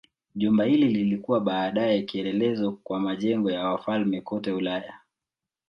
Jumba hili lilikuwa baadaye kielelezo kwa majengo ya wafalme kote Ulaya.